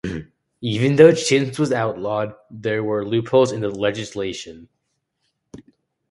Even though chintz was outlawed, there were loopholes in the legislation.